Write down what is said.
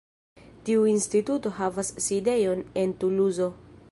Tiu instituto havas sidejon en Tuluzo.